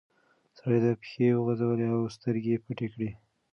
سړي پښې وغځولې او سترګې پټې کړې.